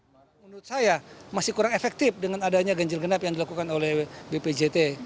menurut saya masih kurang efektif dengan adanya ganjil genap yang dilakukan oleh bpjt